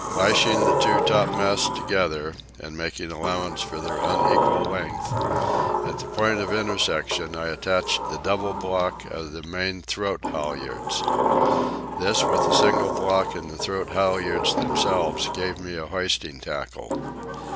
Lashing the two topmasts together, and making allowance for their unequal length, at the point of intersection I attached the double block of the main throat halyards. This, with the single block and the throat halyards themselves, gave me a hoisting tackle.